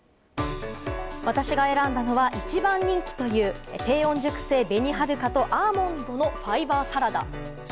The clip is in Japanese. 私が選んだのは一番人気という、低温熟成紅はるかとアーモンドのファイバーサラダ。